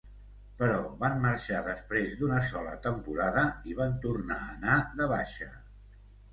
Però van marxar després d'una sola temporada i van tornar a anar de baixa.